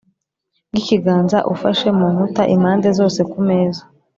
Bw ikiganza ufashe mu nkuta impande zose ku meza